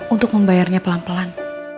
untuk membayarnya pelan pelan